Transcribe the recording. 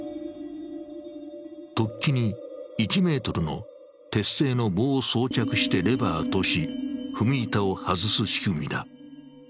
突起に１ｍの鉄製の棒を装着してレバーとし、踏み板を外す仕組みだ。